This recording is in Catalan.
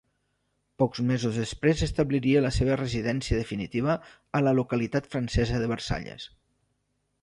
Pocs mesos després establiria la seva residència definitiva a la localitat francesa de Versalles.